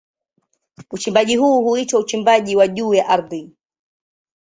Uchimbaji huu huitwa uchimbaji wa juu ya ardhi.